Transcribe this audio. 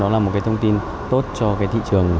đó là một cái thông tin tốt cho cái thị trường